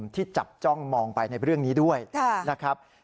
ที่จับจ้องมองไปในเรื่องนี้ด้วยนะครับ